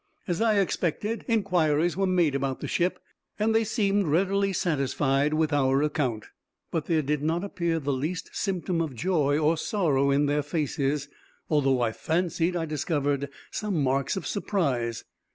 As I expected, inquiries were made about the ship, and they seemed readily satisfied with our account; but there did not appear the least symptom of joy or sorrow in their faces, although I fancied I discovered some marks of surprise.